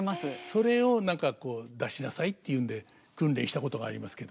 それを出しなさいっていうんで訓練したことがありますけど。